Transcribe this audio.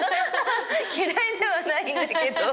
嫌いではないんだけど。